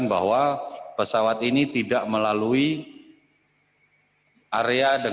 bahwa pesawat tidak menyalurkan